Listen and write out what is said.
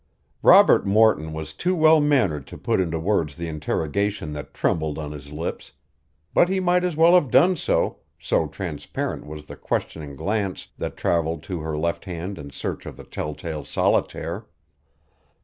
Robert Morton was too well mannered to put into words the interrogation that trembled on his lips, but he might as well have done so, so transparent was the questioning glance that traveled to her left hand in search of the telltale solitaire.